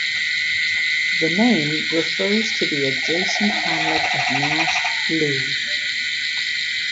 The name refers to the adjacent hamlet of Nash Lee.